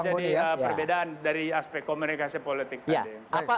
ini yang menjadi perbedaan dari aspek komunikasi politik tadi